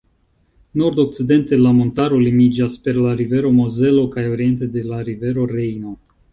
Nordokcidente la montaro limiĝas per la rivero Mozelo kaj oriente de la rivero Rejno.